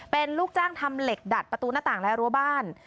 เป็นลูกจ้างทำเหล็กดัดประตูหน้าต่างและรั้วบ้าน